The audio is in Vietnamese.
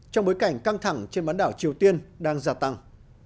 trong bối cảnh căng thẳng trên bán đảo triều tiên đang gia tăng